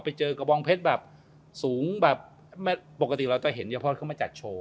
ไปเจอกระบองเพชรแบบสูงแบบปกติเราจะเห็นเยพอร์ตเข้ามาจัดโชว์